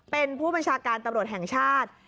เป็นผู้บัญชาการตำรวจแห่งชาติ